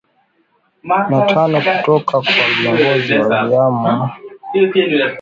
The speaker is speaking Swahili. na tano kutoka kwa viongozi wa viama vya upinzani vilivyokuwa vikishindana